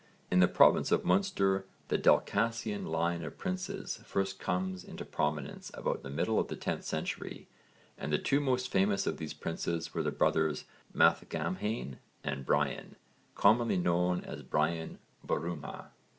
In the province of Munster the Dalcassian line of princes first comes into prominence about the middle of the 10th century, and the two most famous of these princes were the brothers Mathgamhain and Brian, commonly known as Brian Borumha.